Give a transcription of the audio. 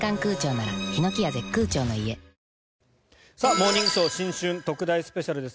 「モーニングショー新春特大スペシャル」です。